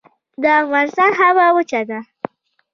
د افغانستان هوا وچه ده